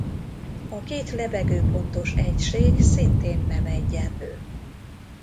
A két lebegőpontos egység szintén nem egyenlő.